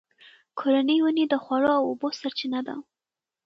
کورني ونې د خواړو او اوبو سرچینه ده.